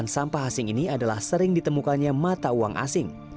sampah asing ini adalah sering ditemukannya mata uang asing